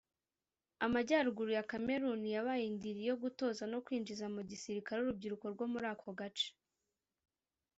Amajyaruguru ya Cameroun yabaye indiri yo gutoza no kwinjiza mu gisirikare urubyiruko rwo muri ako gace